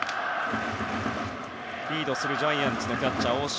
リードするジャイアンツのキャッチャー大城。